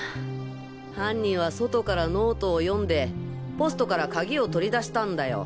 犯人は外からノートを読んでポストからカギを取り出したんだよ。